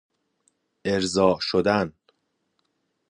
ارضاء شدن